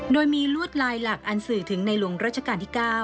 โดยมีลวดลายหลักอันสื่อถึงในหลวงรัชกาลที่๙